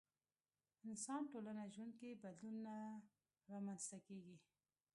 انسان ټولنه ژوند کې بدلون نه رامنځته کېږي.